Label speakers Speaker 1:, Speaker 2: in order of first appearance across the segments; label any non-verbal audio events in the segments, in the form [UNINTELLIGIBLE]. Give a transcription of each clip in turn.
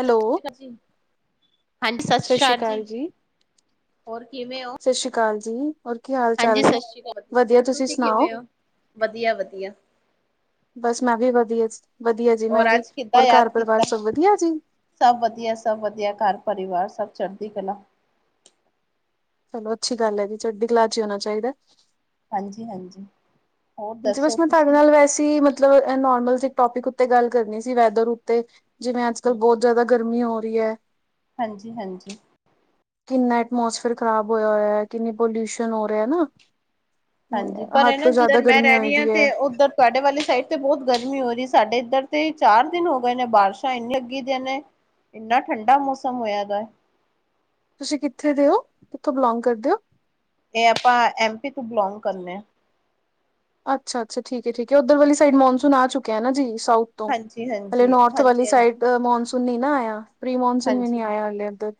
Speaker 1: Hello.
Speaker 2: ਜੀ
Speaker 1: ਸਤਿ ਸ੍ਰੀ ਅਕਾਲ ਜੀ।
Speaker 2: ਹੋਰ ਕਿਵੇਂ ਹੋ
Speaker 1: ਸਤਿ ਸ੍ਰੀ ਅਕਾਲ ਜੀ। ਹੋਰ ਕੀ ਹਾਲ ਚਾਲ
Speaker 2: ਹਾਂਜੀ
Speaker 1: ਜੀ।
Speaker 2: ਸਤਿ ਸ਼੍ਰੀ ਅਕਾਲ ਜੀ
Speaker 1: ਵਧੀਆ ਤੁਸੀਂ ਸੁਣਾਓ।
Speaker 2: ਕਿਵੇਂ ਹੋ ਵਧੀਆ ਵਧੀਆ
Speaker 1: ਬਸ ਮੈਂ ਵੀ ਵਧੀਆ। ਵਧੀਆ ਜੀ ਮੈਂ
Speaker 2: ਹੋਰ
Speaker 1: ਵੀ।
Speaker 2: ਅੱਜ ਕਿੱਦਾਂ
Speaker 1: ਹੋਰ ਘਰ
Speaker 2: ਯਾਦ
Speaker 1: ਪਰਿਵਾਰ
Speaker 2: ਕੀਤਾ।
Speaker 1: ਸਭ ਵਧੀਆ ਜੀ?
Speaker 2: ਸਭ ਵਧੀਆ- ਸਭ ਵਧੀਆ ਘਰ ਪਰਿਵਾਰ ਸਭ। ਚੜ੍ਹਦੀ ਕਲਾ।
Speaker 1: ਚਲੋ ਅੱਛੀ ਗੱਲ ਹੈ ਜੀ। ਚੱਹੀ ਹੋਣਾ ਚਾਹੀਦਾ
Speaker 2: ਹਾਂਜੀ -ਹਾਂਜੀ। ਹੋਰ
Speaker 1: ਜੀ
Speaker 2: ਦੱਸੋ
Speaker 1: ਬਸ ਮੈਂ ਤੁਹਾਡੇ
Speaker 2: ਤੁਸੀਂ
Speaker 1: ਨਾਲ ਵੈਸੇ ਮਤਲਬ ਨੋਰਮਲ। ਟੋਪਿਕ ਉੱਤੇ ਗੱਲ ਕਰਨੀ ਸੀ। ਵੈਦਰ ਉੱਤੇ। ਜਿਵੇਂ ਅੱਜ ਕਲ ਬਹੁਤ ਜਿਆਦਾ ਗਰਮੀ ਹੋ ਰਹੀ ਹੈ।
Speaker 2: ਹਾਂਜੀ -ਹਾਂਜੀ।
Speaker 1: ਕਿੰਨਾ ਐਟਮੋਸਫੇਅਰ ਖ਼ਰਾਬ ਹੋਇਆ ਹੋਇਆ। ਕਿੰਨੀ ਪੋਲਿਊਸ਼ਨ ਹੋ ਰਿਹਾ ਨਾ।
Speaker 2: ਹਾਂਜੀ
Speaker 1: ਹ
Speaker 2: ਪਰ
Speaker 1: ਹੱਦ
Speaker 2: ਇਹ ਨਾ
Speaker 1: ਤੋਂ ਜ਼ਿਆਦਾ
Speaker 2: ਜਿੱਧਰ ਮੈਂ
Speaker 1: ਗਰਮੀ
Speaker 2: ਰਹਿ
Speaker 1: ਹੋਏ
Speaker 2: ਰਹੀ ਹਾਂ।
Speaker 1: ਦੀ ਹੈ,
Speaker 2: ਤੇ ਉੱਧਰ ਤੁਹਾਡੇ ਵਾਲੇ ਸਾਈਡ ਤੇ ਬਹੁਤ ਗਰਮੀ। ਸਾਡੇ ਇੱਧਰ ਤੇ ਚਾਰ ਦਿਨ ਹੋ ਗਏ ਨੇ। ਬਾਰਿਸ਼ਾਂ ਇੰਨੀ ਲੱਗੀ ਦੀਆਂ ਨੇ। ਇੰਨਾ ਠੰਢਾ ਮੌਸਮ ਹੋਇਆ ਦਾ।
Speaker 1: ਤੁਸੀਂ ਕਿੱਥੇ ਦੇ ਹੋ ਕਿੱਥੋਂ ਬਿਲੋਂਗ ਕਰਦੇ ਹੋ।
Speaker 2: ਇਹ ਆਪਾਂ। ਐਮਪੀ ਤੋਂ ਬਿਲੋਂਗ ਕਰਨੇ ਆ।
Speaker 1: ਅੱਛਾ ਅੱਛਾ ਠੀਕ ਠੀਕ ਉਧਰ ਵਾਲੀ ਸਾਈਡ ਮਨਸੂਨ ਆ ਚੁੱਕਿਆ ਨਾ ਜੀ ਸਾਊਥ ਤੋਂ।
Speaker 2: ਹਾਂਜੀ
Speaker 1: ਹਲੇ
Speaker 2: ਹਾਂਜੀ
Speaker 1: ਨੋੌਰਥ ਵਾਲੀ
Speaker 2: ਹਾਂਜੀ ਹਾਂਜੀ
Speaker 1: ਸਾਈਡ ਮੌਨਸੂਨ ਨੀ ਨਾ ਆਇਆ। ਪ੍ਰੀ ਮਾਨਸੂਨ ਵੀ ਨੀ
Speaker 2: ਹਾਂਜੀ
Speaker 1: ਆਇਆ ਹਾਲੇ ਇੱਧਰ।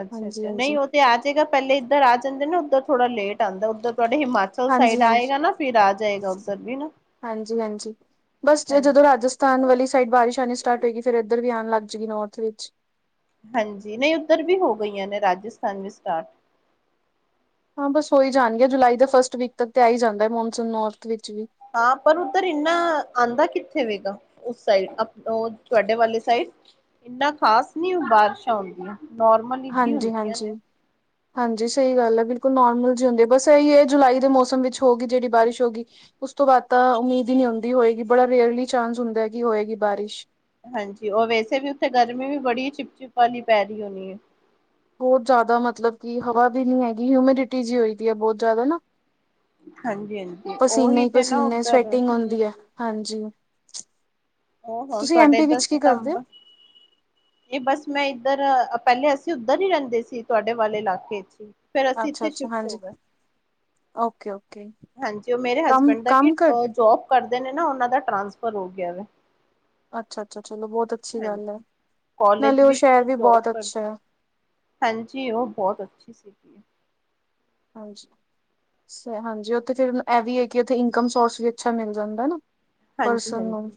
Speaker 2: ਅੱਛਾ ਅੱਛਾ। ਨਹੀਂ
Speaker 1: ਹਾਂਜੀ-ਹਾਂਜੀ,
Speaker 2: ਉਹ ਤੇ ਆ ਜਾਏਗਾ। ਪਹਿਲੇ ਇੱਧਰ ਆ ਜਾਂਦੇ ਨਾ। ਉੱਧਰ ਥੋੜਾ ਲੇਟ ਆਉਂਦਾ। ਉੱਧਰ- ਤੁਹਾਡੇ ਹਿਮਾਚਲ ਸਾਈਡ
Speaker 1: ਹਾਂਜੀ-ਹਾਂਜੀ,
Speaker 2: ਆਏਗਾ ਨਾ। ਫਿਰ ਆ ਜਾਏਗਾ ਉੱਧਰ ਵੀ ਨਾ।
Speaker 1: ਹਾਂਜੀ-ਹਾਂਜੀ। ਬਸ ਜਦੋਂ
Speaker 2: ਹਾਂਜੀ
Speaker 1: ਰਾਜਸਥਾਨ ਵਾਲੀ ਸਾਈਡ ਬਾਰਿਸ਼ ਆਉਣੀ ਸਟਾਰਟ ਹੋਏਗੀ। ਫਿਰ ਇੱਧਰ ਵੀ ਆਉਣ ਲੱਗ ਜਾਏਗੀ ਨੌਰਥ ਵਿੱਚ।
Speaker 2: ਹਾਂਜੀ। ਨਹੀਂ ਉੱਧਰ ਵੀ ਹੋ ਗਈਆਂ ਨੇ, ਰਾਜਸਥਾਨ ਵੀ ਸਟਾਰਟ।
Speaker 1: ਹਾਂ ਬਸ ਹੋ ਹੀ ਜਾਣਗੀ ਜੁਲਾਈ ਦੇ ਫਸਟ ਵੀਕ ਤੱਕ ਤੇ ਆਈ ਜਾਂਦਾ ਹੈ, ਮੌਨਸੂਨ ਨੌਰਥ ਵਿੱਚ ਵੀ।
Speaker 2: ਹਾਂ। ਪਰ ਉੱਧਰ ਇੰਨਾ ਆਉਂਦਾ ਕਿੱਥੇ ਵੇਗਾ, ਉਸ ਸਾਈਡ ਔ ਤੁਹਾਡੇ ਵਾਲੇ ਸਾਈਡ। ਇਨਾ ਖ਼ਾਸ ਨੀ ਬਾਰਿਸ਼ਾਂ ਆਉਂਦੀਆਂ, ਨੋਰਮਲ ਜਹੀ ਹੁੰਦੀਆਂ
Speaker 1: ਹਾਂਜੀ-ਹਾਂਜੀ।
Speaker 2: ਨੇ।
Speaker 1: ਹਾਂਜੀ ਹਾਂਜੀ ਸਹੀ ਗੱਲ ਹੈ, ਬਿਲਕੁਲ ਨੋਰਮਲ ਜੀ ਹੁੰਦੇ ਬਸ ਇਹੀ ਹੈ, ਜੁਲਾਈ ਦੇ ਮੌਸਮ ਵਿੱਚ ਹੋ ਗਈ ਜਿਹੜੀ ਬਾਰਿਸ਼ ਹੋ ਗਈ। ਉਸ ਤੋਂ ਬਾਅਦ ਤਾਂ ਉਮੀਦ ਹੀ ਨਹੀਂ ਹੁੰਦੀ, ਹੋਏਗੀ ਬੜਾ ਰੇਅਰਲੀ ਚਾਂਸ ਹੁੰਦਾ ਕਿ ਹੋਏਗੀ ਬਾਰਿਸ਼।
Speaker 2: ਹਾਂਜੀ। ਉਹ ਵੈਸੇ ਵੀ ਉੱਥੇ ਗਰਮੀ ਵੀ ਬੜੀ ਚਿਪ- ਚਿਪ ਵਾਲੀ ਪੈ ਰਹੀ ਹੋਣੀ ਹੈ।
Speaker 1: ਬਹੁਤ ਜ਼ਿਆਦਾ ਮਤਲਬ ਕਿ ਹਵਾ ਵੀ ਨੀ ਹੈਗੀ। ਹਿਊਮਿਡਿਟੀ ਜਿ ਹੋਈ ਦੀ ਹੈ, ਬਹੁਤ ਜ਼ਿਆਦਾ ਨਾ।
Speaker 2: ਹਾਂਜੀ ਹਾਂਜੀ
Speaker 1: ਪਸੀਨੇ
Speaker 2: ਉਹੀ
Speaker 1: ਹੀ
Speaker 2: ਤੇ ਨਾ
Speaker 1: ਪਸੀਨੇ,
Speaker 2: ਉੱਧਰ
Speaker 1: ਸਵੈਟਿੰਗ ਹੁੰਦੀ ਹੈ, ਹਾਂਜੀ। [UNINTELLIGIBLE]
Speaker 2: ਔ ਹੁਣ
Speaker 1: ਤੁਸੀਂ ਐਮ
Speaker 2: ਤੁਹਾਡੇ
Speaker 1: ਪੀ
Speaker 2: ਈਧਰ
Speaker 1: ਵਿੱਚ ਕੀ ਕਰਦੇ ਹੋ
Speaker 2: ਸਿਤਮਬਰ, ਇਹ ਬਸ ਮੈਂ ਇੱਧਰ ਪਹਿਲੇ ਅਸੀਂ ਉੱਧਰ ਹੀ ਰਹਿੰਦੇ ਸੀ, ਤੁਹਾਡੇ ਵਾਲੇ ਇਲਾਕੇ ਚ ਹੀ, ਫਿਰ ਅਸੀਂ ਇੱਥੇ ਸ਼ਿਫਟ ਹੋ ਗਏ।
Speaker 1: Okay -okay.
Speaker 2: ਹਾਂਜੀ ਔ ਮੇਰੇ ਹਸਬੇਡ ਦਾ ਕੀ,
Speaker 1: ਕਰ
Speaker 2: ਜੋਬ ਕਰਦੇ ਨੇ ਨਾ ਉਨਹਾ ਦਾ ਟ੍ਰਾਂਸਫਰ ਹੋ ਗਿਆ ਵੈ।
Speaker 1: ਅੱਛਾ ਅੱਛਾ ਚਲੋ ਬਹੁਤ ਅੱਛੀ ਗੱਲ ਹੈ
Speaker 2: ਹਾਂਜੀ
Speaker 1: ਨਾਲੇ
Speaker 2: ਕੋਲਜ
Speaker 1: ਉਹ
Speaker 2: ਵਿੱਚ
Speaker 1: ਸ਼ਹਿਰ ਵੀ
Speaker 2: ਜੋਬ
Speaker 1: ਬਹੁਤ ਅੱਛਾ
Speaker 2: ਕਰਦੇ।
Speaker 1: ਹੈ
Speaker 2: ਹਾਂਜੀ, ਉਹ ਬਹੁਤ ਅੱਛੀ ਸੀ।
Speaker 1: ਹਾਂ ਹਾਂਜੀ ਉੱਥੇ ਫਿਰ ਇਹ ਵੀ ਹੈ। ਕਿ ਉਥੇ ਇਨਕਮ ਸੋਰਸ ਵੀ ਅੱਛਾ ਮਿਲ ਜਾਂਦਾ ਨਾ।
Speaker 2: ਹਾਂਜੀ
Speaker 1: ਪਰਸਨ ਨੂੰ,
Speaker 2: ਹਾਂਜੀ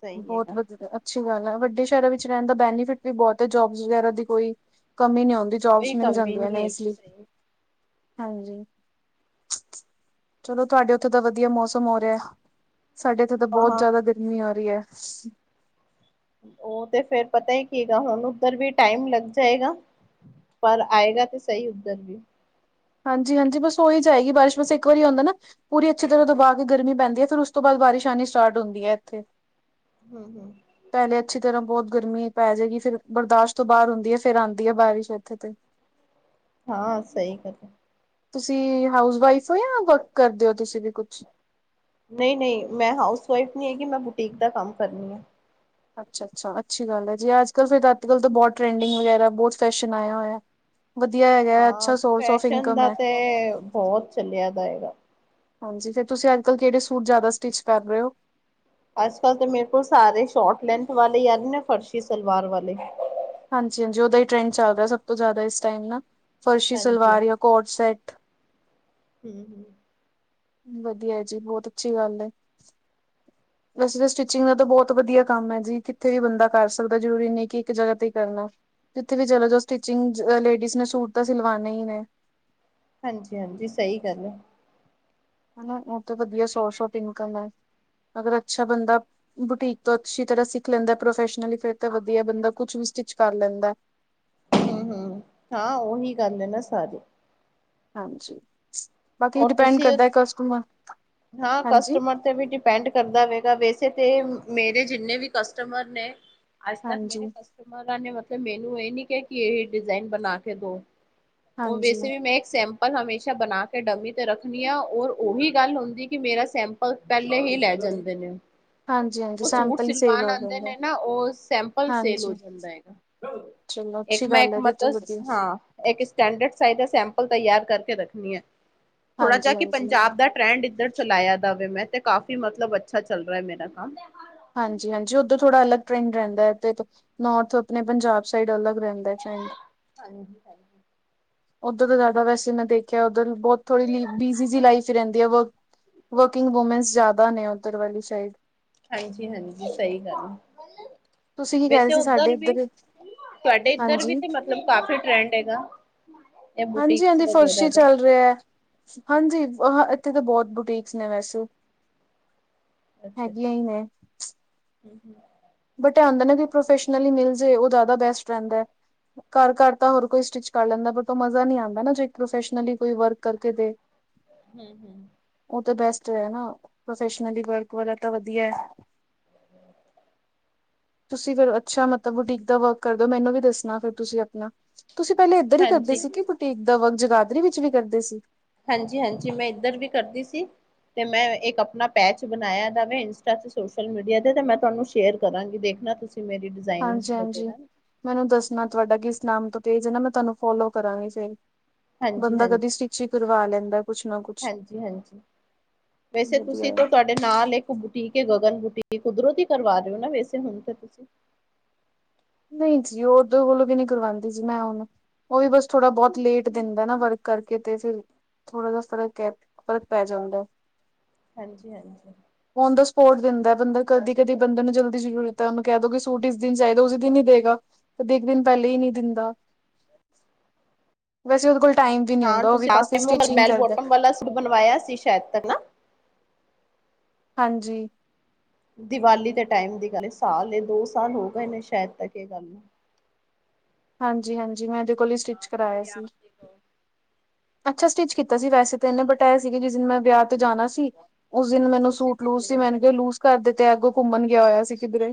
Speaker 2: ਸਹੀ
Speaker 1: ਬਹੁਤ
Speaker 2: ਹੈਗਾ
Speaker 1: ਵਧੀਆ, ਅੱਛੀ ਗੱਲ ਐ। ਵੱਡੇ ਸ਼ਹਿਰਾਂ ਵਿੱਚ ਰਹਿਣ ਦਾ ਬੈਨੀਫਿਟ ਵੀ ਬਹੁਤ ਹੈ, ਜੋਬ ਵਗੈਰਾ ਦੀ ਕੋਈ ਕਮੀ ਨੀ ਆਉਂਦੀ।
Speaker 2: ਕੋਈ
Speaker 1: ਜੋਬਸ ਮਿਲ
Speaker 2: ਕਮੀ
Speaker 1: ਜਾਂਦੀਆਂ
Speaker 2: ਨਹੀਂ
Speaker 1: ਨੇ ਇਸ
Speaker 2: ਹੈਗੀ
Speaker 1: ਵਿਚ
Speaker 2: ਸਹੀ
Speaker 1: ਹਾਂਜੀ। ਚਲੋ ਤੁਹਾਡੇ ਉੱਥੇ ਦਾ ਵਧੀਆ ਮੌਸਮ ਹੋ ਰਿਹਾ ਹੈ। ਸਾਡੇ ਇੱਥੇ ਤਾਂ
Speaker 2: ਹਾਂ
Speaker 1: ਬਹੁਤ
Speaker 2: ਹਾਂ
Speaker 1: ਜ਼ਿਆਦਾ ਗਰਮੀ ਆ ਰਹੀ ਹੈ।
Speaker 2: ਔ ਤੇ ਫੇਰ ਪਤਾ ਹੀ ਕਹੇਗਾ, ਹੁਣ ਉਧਰ ਵੀ ਟਾਈਮ ਲੱਗ ਜਾਏਗਾ। ਪਰ ਆਏਗਾ ਤੇ ਸਹੀ ਉੱਧਰ ਵੀ।
Speaker 1: ਹਾਂਜੀ ਹਾਂਜੀ, ਬਸ ਹੋ ਹੀ ਜਾਏਗੀ ਬਾਰਿਸ਼, ਬਸ ਇੱਕ ਵਾਰੀ ਹੋਂਦਾ ਨਾ, ਪੂਰੀ ਅੱਛੀ ਤਰ੍ਹਾਂ ਦਬਾ ਕੇ ਗਰਮੀ ਪੈਂਦੀ ਹੈ, ਫਿਰ ਉਸ ਤੋਂ ਬਾਅਦ ਬਾਰਿਸ਼ ਆਉਣੀ ਸਟਾਰਟ ਹੁੰਦੀ ਹੈ ਇੱਥੇ,
Speaker 2: ਹਮ ਹਮ
Speaker 1: ਪਹਿਲੇ ਅੱਛੀ ਤਰ੍ਹਾਂ ਬਹੁਤ। ਗਰਮੀ ਪੈ ਜਾਏਗੀ, ਫੇਰ ਬਰਦਾਸ਼ਤ ਤੋਂ ਬਾਹਰ ਹੁੰਦੀ ਹੈ, ਫੇਰ ਆਉਂਦੀ ਹੈ ਬਾਰਿਸ਼ ਇੱਥੇ ਤੇ।
Speaker 2: ਹਾਂ ਸਹੀ ਗੱਲ ਹੈ।
Speaker 1: ਤੁਸੀਂ ਹਾਊਸ ਵਾਈਫ ਹੋ, ਜਾਂ ਵਰਕ ਕਰਦੇ ਹੋ, ਤੁਸੀਂ ਵੀ ਕੁਛ?
Speaker 2: ਨਹੀਂ ਨਹੀਂ ਮੈਂ ਹਾਊਸ ਵਾਈਫ ਨਹੀਂ ਹੈਗੀ, ਮੈਂ ਬੁਟੀਕ ਦਾ ਕੰਮ ਕਰਨੀ ਆ।
Speaker 1: ਅੱਛਾ ਅੱਛਾ ਅੱਛੀ ਗੱਲ ਹੈ। ਜੀ ਅੱਜ ਕੱਲ ਫਿਰ ਅੱਜ ਕੱਲ ਬਹੁਤ ਟਰਡਿੰਗ ਵਗੈਰਾ ਬਹੁਤ ਫੈਸ਼ਨ ਆਇਆ ਹੋਇਆ ਹੈ।
Speaker 2: ਹਾਂ, ਫੈਸ਼ਨ ਦਾ
Speaker 1: ਹੈ
Speaker 2: ਤੇ ਬਹੁਤ ਚੱਲਿਆ ਦਾ ਹੈਗਾ।
Speaker 1: ਹਾਂਜੀ ਫੇਰ ਤੁਸੀਂ ਅੱਜ ਕੱਲ ਕਿਹੜੇ ਸੂਟ ਜ਼ਿਆਦਾ ਸਟਿਚ ਕਰ ਰਹੇ ਹੋ?
Speaker 2: ਅੱਜ ਕੱਲ ਤਾਂ ਮੇਰੇ ਕੋਲ ਸਾਰੇ ਸ਼ੋਟ ਲੈਂਥ ਵਾਲੇ ਜਾਂ ਹੈਗੇਨੇ, ਫਰਸ਼ੀ ਸਲਵਾਰ ਵਾਲੇ।
Speaker 1: ਹਾਂਜੀ ਹਾਂਜੀ ਉਹਦਾ ਹੀ ਟ੍ਰੈਂਡ ਚੱਲ ਦਾ ਨਾ ਸਭ ਤੋਂ ਜ਼ਿਆਦਾ ਇਸ ਟਾਈਮ ਨਾ। ਫਰਸ਼ੀ
Speaker 2: ਹਾਂਜੀ
Speaker 1: ਸਲਵਾਰ, ਯਾ ਕੋਟ ਸੈਟ।
Speaker 2: ਹੂੰ ਹੂੰ।
Speaker 1: ਵਧੀਆ ਜੀ ਬਹੁਤ ਅੱਛੀ ਗੱਲ ਹੈ।
Speaker 2: ਹੂੰ। [UNINTELLIGIBLE]
Speaker 1: ਵੈਸੇ ਤਾਂ ਸਟਿਚਿੰਗ ਦਾ ਤਾਂ ਬਹੁਤ ਵਧੀਆ ਕੰਮ ਹੈ ਜੀ, ਕਿੱਥੇ ਵੀ ਬੰਦਾ ਕਰ ਸਕਦਾ ਜ਼ਰੂਰੀ ਨਹੀਂ ਕਿ ਇੱਕ ਜਗ੍ਹਾ ਤੇ ਹੀ ਕਰਨਾ। ਜਿੱਥੇ ਵੀ ਚਲੋ ਜਾ ਸਟਿਚਿੰਗ 'ਚ ਲੇਡੀਜ਼ ਨੇ ਸੂਟ ਤਾਂ ਸਿਲਵਾਨਣੇ ਹੀ ਨੇ।
Speaker 2: ਹਾਂਜੀ ਹਾਂਜੀ ਸਹੀ ਗੱਲ ਹੈ।
Speaker 1: ਹੈਨਾ ਬਹੁਤ ਵਧੀਆ ਸੋਰਸ ਔਫ ਇਨਕਮ ਐ। ਅਗਰ ਅੱਛਾ ਬੰਦਾ ਬੁਟੀਕ ਤੋਂ ਅੱਛੀ ਤਰ੍ਹਾਂ ਸਿੱਖ ਲੈਂਦਾ ਹੈ, ਪ੍ਰੋਫੈਸ਼ਨਲੀ ਫੇਰ ਤਾਂ ਵਧੀਆ ਬੰਦਾ ਕੁੱਛ ਵੀ। ਸਟਿਚ ਕਰ ਲੈਂਦਾ ਹੈ।
Speaker 2: ਹੂੰ ਹੂੰ ਹਾਂ ਉਹੀ ਕਰਨੇ ਨੇ ਸਾਰੇ।
Speaker 1: ਹਾਂ ਜੀ।
Speaker 2: ਔਰ ਤੁਸੀਂ ਉੱਥੇ। ਹਾਂ
Speaker 1: ਹਾਂਜੀ
Speaker 2: ਕਸਟਮਰ ਤੇ ਵੀ ਡਿਪੈਂਡ ਕਰਦਾ ਹੈਗਾ ਵੈਸੇ। ਤੇ ਮੇਰੇ ਜਿੰਨੇ ਵੀ ਕਸਟਮਰ ਨੇ। ਅੱਜ ਤੱਕ ਮੇਰੇ
Speaker 1: ਹਾਂਜੀ
Speaker 2: ਕਸਟਮਰਾਂ ਨੇ ਮਤਲਬ ਮੈਨੂੰ। ਮੈ ਇਹ ਨੀ ਕਿਹਾ ਕਿ ਇਹ ਡਿਜ਼ਾਇਨ ਬਣਾ ਕੇ ਦੋ।
Speaker 1: ਹਾਂਜੀ
Speaker 2: ਮੈਂ ਡਮੀ ਤੇ ਰੱਖਣੀ ਆ ਔਰ ਉਹੀ ਗੱਲ ਹੁੰਦੀ ਕਿ ਮੇਰਾ ਸੈਂਪਲ ਪਹਿਲੇ ਹੀ ਲੈ ਜਾਂਦੇ ਨੇ।
Speaker 1: ਹਾਂਜੀ-ਹਾਂਜੀ
Speaker 2: ਉਹ ਸੂਟ
Speaker 1: ਸੈਂਪਲ ਹੀ ਸੇਲ
Speaker 2: ਸਿਲਵਾਨ
Speaker 1: ਹੋ
Speaker 2: ਆਉਂਦੇ ਨੇ।
Speaker 1: ਜਾਂਦਾ ਹਾਂਜੀ। ਚਲੋ
Speaker 2: ਇੱਕ
Speaker 1: ਅੱਛੀ
Speaker 2: ਨਾ ਇੱਕ
Speaker 1: ਗੱਲ ਹੈ ਦੀਦੀ
Speaker 2: ਮਤਲਬ
Speaker 1: ਵਧੀਆ
Speaker 2: ਹਾਂ। ਇੱਕ ਸਟੈਂਡਰਡ ਸਾਈਜ ਦਾ ਸੇ ਸੈਪਲ ਤਿਆਰ ਕਰਕੇ ਰੱਖਣੀ ਹੈ। ਥੋੜਾ ਜਿਹਾ ਕਿ
Speaker 1: ਹਾਂਜੀ-ਹਾਂਜੀ।
Speaker 2: ਪੰਜਾਬ ਦਾ ਟਰੈਂਡ ਇੱਧਰ ਚਲਾਇਆ ਦਾ ਮੈਂ। ਤੇ ਕਾਫੀ ਮਤਲਬ ਅੱਛਾ ਚੱਲ ਰਿਹਾ ਹੈ ਮੇਰਾ ਕੰਮ।
Speaker 1: ਹਾਂ ਜੀ ਹਾਂ ਜੀ ਉੱਧਰ ਥੋੜਾ ਅਲੱਗ ਟਰੈਂਡ ਰਹਿੰਦਾ ਹੈ ਤੇ ਨੌਰਥ ਆਪਣੇ ਪੰਜਾਬ ਸਾਈਡ ਅਲੱਗ। ਰਹਿੰਦਾ
Speaker 2: ਹਾਂ ਜੀ ਹਾਂ ਜੀ।
Speaker 1: ਉੱਥੇ ਤਾਂ ਜ਼ਿਆਦਾ ਵੈਸੇ ਮੈਂ ਦੇਖਿਆ। ਬਹੁਤ ਥੋੜ੍ਹੀ ਬਿਜੀ ਜੀ ਲਾਈਫ ਰਹਿੰਦੀ ਆ। ਵਰਕਿੰਗ ਵੂਮੈਂਨਸ ਜਿਆਦਾ ਨੇ ਉੱਧਰ। ਉੱਤਰ ਵਾਲੀ ਸਾਈਡ।
Speaker 2: ਹਾਂ ਜੀ ਹਾਂ ਜੀ ਸਹੀ ਗੱਲ ਆ
Speaker 1: ਤੁਸੀਂ ਕੀ ਕਹਿ ਰਹੇ
Speaker 2: ਵੈਸੇ
Speaker 1: ਸੀ ਸਾਡੇ
Speaker 2: ਉਧਰ ਵੀ।
Speaker 1: ਇੱਧਰ
Speaker 2: ਤੁਹਾਡੇ ਇੱਧਰ ਵੀ
Speaker 1: ਹਾਂਜੀ।
Speaker 2: ਤੇ ਮਤਲਬ ਕਾਫੀ ਟਰੈਂਡ ਹੈਗਾ। ਇਹ
Speaker 1: ਹਾਂ ਜੀ ਹਾਂ
Speaker 2: ਬੁਟੀਕਸ
Speaker 1: ਜੀ ਫਰਸ਼ੀ
Speaker 2: ਵਗੈਰਾ ਦਾ
Speaker 1: ਚੱਲ ਰਿਹਾ ਹੈ। ਹਾਂ ਜੀ ਹਾਂ ਇੱਥੇ ਤਾਂ ਬਹੁਤ ਬੁਟੀਕਸ ਨੇ ਵੈਸੇ।
Speaker 2: ਅੱਛਾ
Speaker 1: ਹੈਗੀਆਂ
Speaker 2: ਅੱਛਾ
Speaker 1: ਹੀ ਨੇ।
Speaker 2: [INAUDIBLE]
Speaker 1: ਦਾ ਬੈਸਟ ਰਹਿੰਦਾ ਹੈ। ਘਰ ਘਰ ਤਾਂ ਹਰ ਕੋਈ ਸਟਿਚ ਕਰ ਲੈਂਦਾ। ਬਟ ਉਹ ਮਜ਼ਾ ਨਹੀਂ ਆਉਂਦਾ ਨਾ ਜੇ ਪ੍ਰੋਫੈਸ਼ਨਲੀ ਕੋਈ ਵਰਕ ਕਰਕੇ ਦੇ।
Speaker 2: ਹੂੰ ਹੂੰ।
Speaker 1: ਉਹ ਤਾਂ ਬੈਸਟ ਹੈਂ ਨਾ ਪ੍ਰੋਫੈਸ਼ਨਲੀ ਵਰਕ ਵਾਲਾ ਤਾਂ ਵਧੀਆ ਹੈ।
Speaker 2: [INAUDIBLE]
Speaker 1: ਤੁਸੀਂ ਫੇਰ ਅੱਛਾ ਮਤਲਬ ਬੁਟੀਕ ਦਾ ਵਰਕ ਕਰ ਦੇ ਹੋ। ਮੈਨੂੰ ਵੀ ਦੱਸਣਾ ਫਿਰ ਤੁਸੀਂ ਆਪਣਾ। ਤੁਸੀਂ ਪਹਿਲੇ ਇੱਧਰ ਹੀ ਕਰਦੇ ਸੀ ਕਿ ਬੁਟੀਕ ਦਾ ਵਰਕ ਜਗਾਧਰੀ ਵਿੱਚ ਵੀ ਕਰਦੇ ਸੀ।
Speaker 2: ਹਾਂ ਜੀ ਹਾਂ ਜੀ ਮੈਂ ਇੱਧਰ ਵੀ ਕਰਦੀ ਸੀ। ਤੇ ਮੈਂ ਇੱਕ ਆਪਣਾ ਪੈਚ ਬਣਾਇਆ ਜਾਵੇ ਇੰਸਟਾ ਤੇ ਸੋਸ਼ਲ ਮੀਡੀਆ ਤੇ ਤੇ ਮੈਂ ਤੁਹਾਨੂੰ ਸ਼ੇਅਰ ਕਰਾਂਗੀ ਦੇਖਣਾ ਤੁਸੀਂ- ਮੇਰੀ
Speaker 1: ਹਾਂ
Speaker 2: ਡਿਜ਼ਾਇਨਿੰਗਸ
Speaker 1: ਜੀ ਹਾਂ ਜੀ
Speaker 2: ਵਗੈਰਾ
Speaker 1: ਮੈਨੂੰ ਦੱਸਣਾ ਤੁਹਾਡਾ ਕਿਸ। ਨਾਮ ਤੋਂ ਪੇਜ ਨਾ ਮੈਂ ਤੁਹਾਨੂੰ ਫੋਲੋ ਕਰਾਂਗੀ ਫਿਰ।
Speaker 2: ਹਾਂਜੀ,
Speaker 1: ਬੰਦਾ
Speaker 2: ਹਾਂਜੀ,
Speaker 1: ਕਦੀ ਸਟਿਚ ਹੀ ਕਰਵਾ ਲੈਂਦਾ ਕੁਝ ਨਾ ਕੁਝ।
Speaker 2: ਹਾਂਜੀ, ਹਾਂਜੀ ਵੈਸੇ ਤੁਸੀਂ ਤੇ ਤੁਹਾਡੇ ਨਾਲ ਇੱਕ ਬੂਟੀਕ। ਕੇ ਗਗਨ ਬੂਟੀ ਕੁਦਰਤ ਹੀ ਕਰਵਾ ਦਿਓ ਨਾ ਵੈਸੇ ਹੁਣ ਤੇ ਤੁਸੀਂ।
Speaker 1: ਨਹੀਂ ਜੀ ਉਦੋਂ ਕੋਲੋਂ ਵੀ ਨਹੀਂ ਕਰਵਾਉਂਦੀ ਸੀ ਮੈਂ ਉਹਨੂੰ। ਉਹ ਵੀ ਬਸ ਥੋੜ੍ਹਾ ਬਹੁਤ ਲੇਟ ਦਿੰਦਾ ਨਾ ਵਰਕ ਕਰਕੇ ਤੇ ਫਿਰ। ਥੋੜਾ ਜਾ ਫਰਕ ਹੈ। ਫਰਕ ਪੈ ਜਾਂਦਾ ਐ।
Speaker 2: ਹਾਂ ਜੀ ਹਾਂ ਜੀ।
Speaker 1: ਫੋਟ ਦਿੰਦਾ ਬੰਦਾ ਕਦੀ ਕਦੀ ਬੰਦੇ ਨੂੰ ਜਲਦੀ ਜ਼ਰੂਰਤ ਹੈ। ਉਸਨੂੰ ਕਹਿ ਦਉ ਕਿ ਸੂਟ ਇਸ ਦਿਨ ਚਾਹੀਦਾ ਉਸ। ਦਿ ਨਹੀਂ ਦੇਗਾ ਦੇ ਇੱਕ ਦਿਨ ਪਹਿਲੇ ਹੀ ਨ ਦਾ ਵੈਸੇ ਉ
Speaker 2: ਹਾਂ ਤੁਸੀਂ ਲਾਸਟ ਟਾਈਮ ਬੈਲ ਬੋਟਮ ਵਾਲਾ ਸੂਟ ਬਣਵਾਇਆ ਸੀ ਸ਼ਾਇਦ ਤ ਨਾ।
Speaker 1: ਹਾਂ ਜੀ।
Speaker 2: ਦੀਵਾਲੀ ਦੇ ਟਾਈਮ ਦੀ ਗੱਲ। ਸਾਲ ਜਾ ਦੋ ਸਾਲ ਹੋ ਗਏ ਨੇ ਸ਼ਾਇਦ ਤੱਕ ਇਹ ਗੱਲ ਨੂੰ।
Speaker 1: ਹਾਂ ਜੀ ਹਾਂ ਜੀ ਮੈਂ ਇਹਦੇ ਕੋਲ ਹੀ ਸਟਿਚ
Speaker 2: ਹਾਂ
Speaker 1: ਕਰਾਇਆ
Speaker 2: ਮੈਨੂੰ ਯਾਦ
Speaker 1: ਸੀ।
Speaker 2: ਨੀ
Speaker 1: ਅੱਛਾ ਸਟਿੱਚ ਕੀਤਾ ਸੀ ਵੈਸੇ ਤਾਂ ਇਹਨੇ। ਬਤ ਐ ਸੀਗੇ ਜਿਸ ਦਿਨ ਮੈਂ ਵਿਆਹ ਤੇ ਜਾਣਾ ਸੀ। ਉਸ ਦਿਨ ਮੈਨੂੰ
Speaker 2: ਉਸੀ
Speaker 1: ਸੂਟ
Speaker 2: ਦਿਨ
Speaker 1: ਲੂਜ ਸੀ।
Speaker 2: ਮਿਲੇ
Speaker 1: ਮੈ ਕਿਹਾ ਲੂਜ ਕਰ ਦਿੱਤੇ ਅੱਗੋਂ ਘੁੰਮਣ ਗਿਆ ਹੋਇਆ ਸੀ ਕਿਧਰੇ।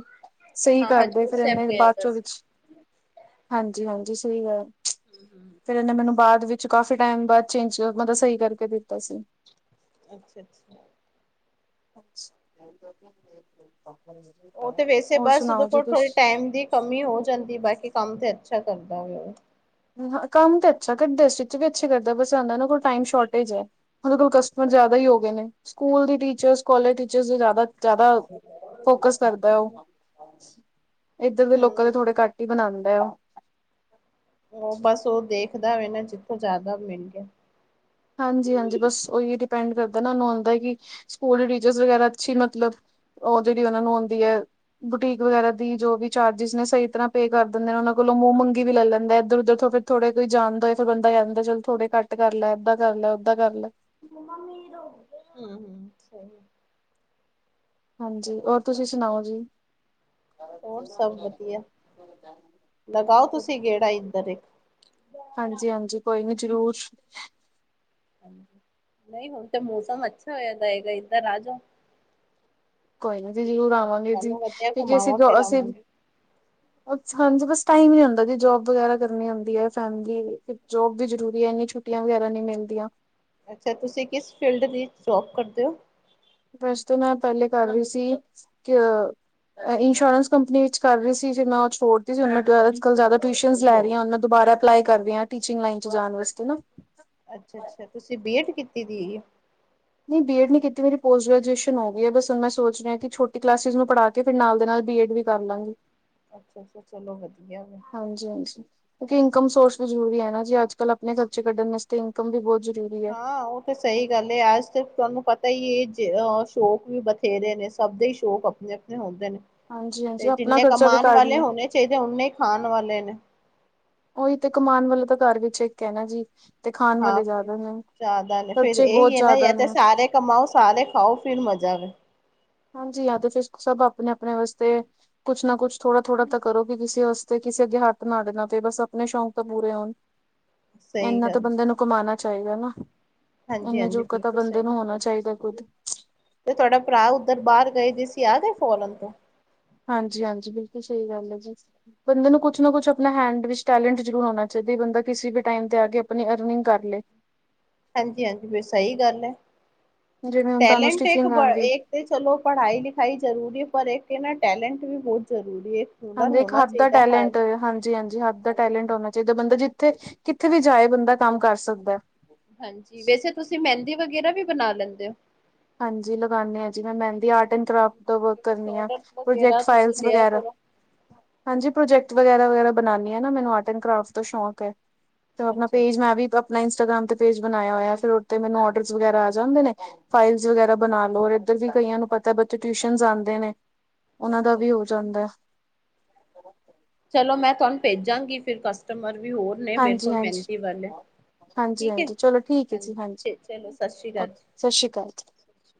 Speaker 1: ਸਹੀ
Speaker 2: ਹਾਂ
Speaker 1: ਕਰਦੇ
Speaker 2: ਹਜ਼ੂਰ
Speaker 1: ਫੇਰ
Speaker 2: ਸਾਹਿਬ
Speaker 1: ਇਨੇ
Speaker 2: ਗਿਆ
Speaker 1: ਬਾਅਦ
Speaker 2: ਦਾ
Speaker 1: ਚੋਂ
Speaker 2: ਸੀ।
Speaker 1: ਵਿੱਚ ਹਾਂ ਜੀ ਹਾਂ ਜੀ। ਗਾ ਫੇਰ ਇਹਨੇ ਮੈਨੂੰ ਬਾਅਦ ਵਿੱਚ ਕਾਫੀ। ਟਾਈਮ ਬਾਅਦ ਚੇਂਜ ਮਤਲਬ ਸਹੀ ਕਰਕੇ ਦਿੱਤਾ ਸੀ।
Speaker 2: ਅੱਛਾ-ਅੱਛਾ!
Speaker 1: ਅੱਛਾ-
Speaker 2: ਉਹ ਤੇ ਵੈਸੇ ਬਸ ਉਦੋਂ ਕੋਲ ਥੋੜੇ
Speaker 1: ਤੁਸੀਂ
Speaker 2: ਟਾਈਮ ਦੀ ਕਮੀ ਹੋ ਜਾਂਦੀ ਬਸ ਕੰਮ ਤੇ ਅੱਛਾ ਕਰਦਾ ਵੇ ਉਹ
Speaker 1: ਹ ਕੰਮ ਤੇ ਅੱਛਾ ਕਰਦਾ ਸਟੁਚ ਵੀ ਅੱਛੇ ਕਰਦਾ ਬਸ ਆਉਦਾ ਇਹਨਾਂ ਕੋਲ ਟਾਈਮ ਸ਼ੋਰਟੇਜ ਹੈ ਉਹਦੇ ਕੋਲ ਕਸਟਮਰ ਜਿਆਦਾ। ਹੀ ਹੋ ਗਏ ਨੇ ਸਕੂਲ ਦੀ ਟੀਚਰਸ ਕੋਲਜ ਟੀਚਰ ਜ਼ਿਆਦਾ- ਜ਼ਿਆਦਾ ਫੋਕਸ ਕਰਦਾ ਹੈ
Speaker 2: ਹੂੰ ਹੂੰ।
Speaker 1: ਉਹ- ਇੱਧਰ ਦੇ ਲੋਕਾਂ ਦੇ
Speaker 2: ਹੂੰ
Speaker 1: ਥੋੜੇ ਘੱਟ ਹੀ ਬਣਾਦਾ ਏ ਉਹ-
Speaker 2: ਉਹ ਬਸ ਉਹ ਦੇਖਦਾ ਹੋ ਨਾ ਜਿੱਥੋਂ ਜ਼ਿਆਦਾ ਮਿਲ ਗਿਆ।
Speaker 1: ਹਾਂਜੀ-ਹਾਂਜੀ ਬਸ ਉਹੀ ਡਿਪੈਂਡ ਕਰਦਾ ਨਾੂੰ ਆਉਂਦਾ ਕਿ ਸਕੂਲ ਦੇ ਟੀਚਰ ਵਗੈਰਾ ਅੱਛੀ ਮਤਲਬ ਉਹ ਜਿਹੜੀ ਉਹਨਾ ਨੂੰ ਆਉਂਦੀ ਹੈ ਬੁਟੀਕ ਵਗੈਰਾ ਦੀ ਜੋ ਵੀ ਚਾਰਜਿਸ ਨੇ ਸਹੀ ਤਰ੍ਹਾਂ ਪੇ ਕਰ ਦਿੰਦੇ ਨੇ ਉਹ- ਲੋਂ ਮੂੰਹ ਮੰਗੀ ਵੀ ਲੈ ਲੈਂਦਾ ਇੱਧ'ਰ-ਉੱਧਰ ਫਿਰ ਥੋੜੇ ਕੋਈ ਜਾਂਣਦਾ ਹੋ ਫਿਰ ਬੰਦਾ ਜਾਂਦਾ ਚ ਥੋੜੇ ਘੱਟ ਕਰ ਲੈ ਕਰ ਲੈ ਓਦਾਂ ਕਰ ਲੈ-
Speaker 2: ਮੰ ਮਾਮੀ ਦਾ ਹੂੰ ਹੂੰ ਸਹੀ ਗੱਲ ਏ-
Speaker 1: ਹਾਂਜੀ ਹੋਰ ਤੁਸੀਂ ਸੁਣਾਓ ਜੀ?
Speaker 2: ਹੋਰ ਸਭ ਵਧੀਆ। ਲਗਾਓ ਤੁਸੀਂ ਗੇੜਾ ਇੱਧਰ ਇੱਕ।
Speaker 1: ਹਾਂਜੀ-ਹਾਂਜੀ ਕੋਈ ਨੀ ਜ਼ਰੂਰ।
Speaker 2: ਨਹੀਂ ਹੁਣ ਤੇ ਮੌਸਮ ਅੱਛਾ ਹੋਇਆਦਾ ਹੈਗਾ ਇੱਧਰ ਆ ਜਾ।
Speaker 1: ਕੋਈ ਨੀ ਜੀ ਜ਼ਰੂਰ ਆਵਾਂਗੇ ਜੀ ਕਿਉਂਕਿ ਅਸੀਂ
Speaker 2: ਘੁਮਾਵਾਂ
Speaker 1: ਅਸੀਂ
Speaker 2: ਫਿਰਾਵਾਂਗੇ
Speaker 1: ਹਾਂਜੀ ਬਸ ਟਾਈਮ ਨੀ ਹੁੰਦਾ ਜੀ ਜੋਬ ਵਗੈਰਾ ਕਰਨੀ ਆੁੰਂਦੀ ਹੈ ਫੈਮਿਲੀ ਫ ਜੋਬ ਵੀ ਜਰੂਰੀ ਹੈ ਇੰਨੀੀਆਂ ਛੁੱਟੀਆਂ ਵਗੈਰਾ ਨਹੀਂੀ ਮਿਲਦੀਆਂ
Speaker 2: ਅੱਛਾ ਤੁਸੀਂ ਕਿਸ ਫੀਲਡ ਦੀ ਜੋਬ ਕਰਦੇ ਹੋ?
Speaker 1: ਵੈਸ ਤਾਂ ਮੈਂ ਪਹਿਲੇ ਕਰ ਰਹੀ ਸੀ ਕਿ ਅ- ਇੰਸ਼ੋਰੈਂਸ ਕੰਪਨੀ ਵਿੱਚ ਕਰ ਰਹੀ ਸੀ ਜੇ ਮੈਂ ਉਹ ਛੋੜਦੀ ਸੀ ਹੁਣ ਮੈ ਟ੍ਰੈ੍ਵਲ ਕੋਲ੍ਹ ਜ਼ਿਆਦਾ ਟਿਊਸ਼ਨਾਂ ਲੈ ਰਹੀ ਦੁਬਾਰਾ ਅਪਲਾਈ ਕਰ ਰਹੀ ਟੀਚਿੰਗ ਲਾਈਨ ਚ ਜਾਣ ਵਾਸਤੇ ਨਾ
Speaker 2: ਅੱਛਾ-ਅੱਛਾ ਤੁਸੀਂ ਬੀਐਡ ਕੀਤੀ ਦੀ ਏ-
Speaker 1: ਨਹੀਂ ਬੀ ਐਡ ਨੀ ਕੀਤੀ ਮੇਰੀ ਪੋਸਟ ਗ੍ਰੈਜੂਏਸ਼ਨ ਹੋਈ ਹੈ ਬਸ ਮੈਂ ਸੋਚ ਰਿਹਾ ਕਿ ਛੋਟੀ ਕਲਾਸਿਸ ਨੂੰ ਪੜ੍ਹਾ ਕੇ ਫਿਰ ਨਾਲ ਦੇ ਨਾਲ ਬੀ ਐਡ ਵੀ ਕਰ ਲਾਂਗੀ
Speaker 2: ਅੱਛਾ-ਅੱਛਾ ਚਲੋ ਵਧੀਆ ਵੇ
Speaker 1: ਹਾਂਜੀ-ਹਾਂਜੀ। ਜੀ ਇਨਕਮ ਸੋਰਸ ਵੀ ਜਰੂਰੀ ਹੈ ਨਾ ਜੀ ਅੱਜ ਕੱਲ ਆਪਣੇ ਖਰਚੇ ਕੱਢ ਵਾਸ ਇਨਕਮ ਵੀ ਬਹੁਤ ਜਰੂਰ
Speaker 2: ਹਾਂ ਉਹ ਤੇ ਸਹੀ ਗੱਲ ਹੈ ਅੱਜ ਤੇ ਤੁਹਾਨੂੰ ਪਤਾ ਤਾਂ ਹੀ ਇਹ ਜੇਹ ਸ਼ੋਕ ਵੀ ਬਥੇਰੇ ਨੇ ਸਭ ਦੇ ਹੀ ਸ਼ੌਕ ਆਪਣੇ-ਆਪਣੇ ਹੁੰਦੇ ਨੇ
Speaker 1: ਹਾਂਜੀ ਹਾਂਜੀ
Speaker 2: ਤੇ
Speaker 1: ਆਪਣਾ
Speaker 2: ਜਿੰਨੇ
Speaker 1: ਖਰਚਾ ਵੀ
Speaker 2: ਕਮਾਣ
Speaker 1: ਕੱਢ
Speaker 2: ਵਾਲੇ
Speaker 1: ਲੈ
Speaker 2: ਹੋਣੇ ਚਾਹੀਦੇ ਓਨੇ ਖਾਣ ਵਾਲੇ ਨੇ
Speaker 1: ਉਹੀ ਤੇ ਕਮਾਨ ਵਾਲਾ ਤਾਂ ਘੱਰ ਵਿੱਚ ਇੱਕ ਐ ਨਾ ਜੀ ਤੇ ਖਾਣ
Speaker 2: ਹਾਂ
Speaker 1: ਵਾਲੇ
Speaker 2: ਫ
Speaker 1: ਜ਼ਿਆਦਾ ਨੇ
Speaker 2: ਜ਼ਿਆਦਾ ਨੇ ਫੇਰ
Speaker 1: ਖਰਚੇ
Speaker 2: ਇਹੀ
Speaker 1: ਬਹੁਤ
Speaker 2: ਹੈ ਨਾ ਯ
Speaker 1: ਜ਼ਿਆਦਾ
Speaker 2: ਤੇ
Speaker 1: ਨੇ
Speaker 2: ਸਾਰੇ ਕਮਾਓ ਸਾਰੇ ਖਾਓ ਫਿਰ ਮਜ਼ਾ ਵੇ
Speaker 1: ਹਾਂਜੀ ਹਾਂ ਤੇ ਫਿਰ ਸਭ ਆਪਣੇ-ਆਪਣੇ ਵਾਸਤੇ ਕੁਛ ਨਾ ਕੁਛ ਥੋੜਾ-ਥੋੜਾ ਤਾਂ ਕਰੋਗੇ ਕਿਸੇ ਵਾਸਤੇ ਕਿਸੇ ਅੱਗੇ ਹੱਥ ਨਾ ਅਡਨਾ ਪਏ ਬਸ ਆਪਣੇ ਸ਼ੌਂਕ ਤਾਂ ਪੂਰੇ ਹੋਣ
Speaker 2: ਸਹੀ
Speaker 1: ਇਨਾ ਤਾਂ
Speaker 2: ਗੱਲ
Speaker 1: ਬੰਦੇ ਨੂੰ ਕਮਾਣਾ ਚਾਹੀਦਾ ਨਾ
Speaker 2: ਹਾਂਜੀ
Speaker 1: ਇੰਨਾ
Speaker 2: ਹਾਂਜੀ
Speaker 1: ਜੋਗਾ ਤਾਂ
Speaker 2: ਬਿਲਕੁਲ ਸਹੀ
Speaker 1: ਬੰਦੇ ਨੂੰ ਹੋਣਾ ਚਾਹੀਦਾ ਕੁੁੱਦ
Speaker 2: ਤੇ ਤੁਹਾਡਾ ਭਰਾ ਉੱਧਰ ਬਾਹਰ ਗਏ ਦੇ ਸੀ ਆਗਏ ਫੋਰਨ ਤੋਂ
Speaker 1: ਹਾਂਜੀ-ਹਾਂਜੀ ਬਿਲਕੁਲ ਸਹੀ ਗੱਲ ਹੈ ਜੀ ਬੰਦੇ ਨੂੰ ਕੁਛ ਨਾ ਕੁਛ ਆਪਣਾ ਹੈਂਡ ਵਿੱਚ ਟੈਲੈਂਟ ਜ਼ਰੂਰ ਹੋਣਾ ਚਾਹੀਦਾ ਬੰਦਾ ਕਿਸੇ ਵੀ ਟਾਈਮ ਤੇ ਆ ਕੇ ਆਪਣੀ ਅਰਨਿੰਗ ਕਰ ਲਏ
Speaker 2: ਹਾਂਜੀ-ਹਾਂਜੀ ਫਿਰ ਸਹੀ ਗੱਲ ਹੈ
Speaker 1: ਜਿਵੇਂ ਹੁਣ ਤੁਹਾਨੂੰ
Speaker 2: ਟੈਲੈਂਟ
Speaker 1: ਸਟਿਚਿੰਗ ਆਉਂਦੀ
Speaker 2: ਇੱਕ ਤੇ ਚਲੋ ਪੜ੍ਹਾਈ ਲਿਖਾਈ ਜ਼ਰੂਰੀ ਪਰ ਇੱਕ ਇਹ ਨਾ ਟੈਲੈਂਟ ਵੀ ਬਹੁਤ ਜ਼ਰੂਰੀ ਏ
Speaker 1: ਹਾਂਜੀ ਇੱਕ ਹੱਥ ਦਾ ਟੈਲੈਂਟ ਹਾਂਜੀ-ਹਾਂਜੀ ਹੱਥ ਦਾ
Speaker 2: ਹਾਂਜੀ
Speaker 1: ਟੈਲੈਂਟ ਹੋਣਾ ਚਾਹੀਦਾ ਬੰਦਾ ਜਿ ਥੇ ਕਿੱਥੇ ਵੀ ਜਾਏ, ਬੰਦਾ-ਕੰਮ ਕਰ ਸਕਦੈ
Speaker 2: ਹਂਜੀ, ਵੈਸੇ ਤੁਸੀਂ--ਮੈਂਦੀ ਵਗੈਰਾ ਵੀ, ਬਣਾ ਲੈਂਦੇ ਓ?
Speaker 1: ਹਾਂਜੀ, ਲਗਾਨੇਂ ਹਾਂ ਜੀ, ਮੈਂ ਮੈਂਦੀ ਆਰਟ ਐਂਡ ਕਰਾਫਟ ਦਾ ਵੱਕ
Speaker 2: ਕੁਛ
Speaker 1: ਕਰਨੀ ਆ,
Speaker 2: ਔਡਰ
Speaker 1: ਪ੍ਰੋਜੈਕਟ
Speaker 2: ਵਗੈਰਾ ਤੁਸੀਂ
Speaker 1: ਫਾਈਲਜ਼
Speaker 2: ਲਿਆ
Speaker 1: ਵਗੈਰਾ,
Speaker 2: ਕਰੋ।
Speaker 1: ਹਾਂਜੀ ਪ੍ਰੋਜੈਕਟ ਵਗੈਰਾ-ਵਗੈਰਾ ਬਣਾਨੀ ਆ ਨਾ, ਮੈਨੂੰ ਆਰਟ ਐਂਡ ਕਰਾਫਟ ਤੋਂ ਸ਼ੌਕ ਹੈ, ਤਾ-ਆਪਣਾ
Speaker 2: ਅੱਛਾ
Speaker 1: ਪੇਜ
Speaker 2: ਅੱਛਾ
Speaker 1: ਮੈਂ ਵੀ ਆਪਣਾ ਗ੍ਰਾਮ ਤੇ ਪੇਜ ਬਣਾਇਆ ਹੋਇਆ। ਫੇਰ ਓਥੇ ਮੈਨੂੰ ਅੱਰਡਰਸ ਵਗੈਰਾ ਆ ਜਾਂਦੇ ਨੇ ਫਾਈਲਸ ਵਗੈਰਾ ਬਣਾ ਲੋ, ਰ ਇਧਰ ਵੀ ਕਈਆਂ ਨੂੰ ਪਤਾ--ਬੱਚੇ ਟਿਊਸ਼ਨਸ ਆਂਦੇ ਨੇ ਓਨਾ ਦਾ
Speaker 2: ਅੱਛਾ
Speaker 1: ਵੀ ਹੋ
Speaker 2: ਅੱਛਾ।
Speaker 1: ਜਾਂਦੈਂ
Speaker 2: ਚਲੋ ਮੈਂ ਤੁਹਾਨ ਭੇਜਾਂਗੀ
Speaker 1: ਹਾਂਜੀ ਹਾਂਜੀ ਹਾਂਜੀ
Speaker 2: ਠੀਕ ਹੈ,
Speaker 1: ਹਾਂਜੀ ਚਲੋ ਠੀਕ ਹੈ
Speaker 2: ਹਾਂ,
Speaker 1: ਜੀ ਹਾਂਜੀ
Speaker 2: ਚਲੋ, ਸਤਿ ਸ੍ਰੀ ਅਕਾਲ
Speaker 1: ਓਕੇ ਸਤਿ ਸ਼੍ਰੀ ਅਕਾਲ
Speaker 2: ਜੀ [INAUDIBLE]